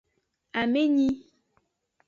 Amenyi.